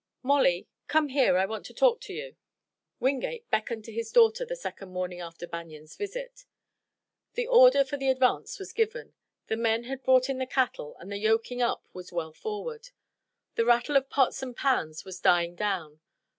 "Molly, come here, I want to talk to you." Wingate beckoned to his daughter the second morning after Banion's visit. The order for the advance was given. The men had brought in the cattle and the yoking up was well forward. The rattle of pots and pans was dying down.